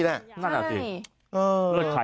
ใช่